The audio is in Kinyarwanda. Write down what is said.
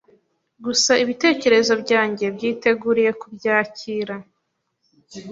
gusa ibitekerezo byanjye byiteguriye kubyakira